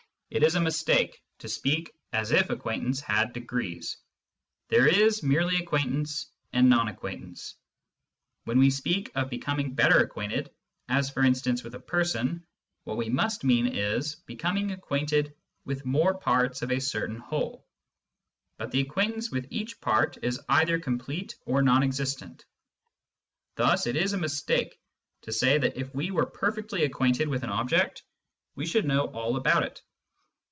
It is a mistake to speak as if acquaintance had degrees : there is merely acquaintance and non acquaintance. When we Digitized by Google THE THEORY OF CONTINUITY 145 speak of becoming "better acquainted," as for instance with a person, what we must mean is, becoming acquainted with more parts of a certain whole ; but the acquaintance with each part is either complete or non existent. Thus it is a mistake to say that if we were perfectly acquainted with an object we should know all about it.